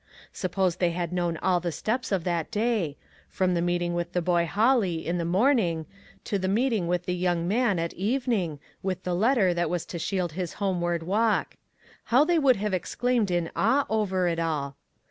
Suppose they had known all the steps of that day — from the meet ing with the boy Holly, in the morning, to the meeting with the young man at even ing, with the letter that was to shield his homeward walk — how they would have ex claimed in awe over it all!